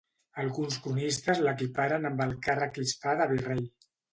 Alguns cronistes l'equiparen amb el càrrec hispà de virrei.